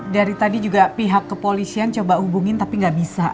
dari tadi juga pihak kepolisian coba hubungin tapi nggak bisa